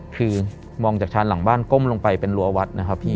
คือมองจากชานหลังบ้านก้มลงไปเป็นรัววัดนะครับพี่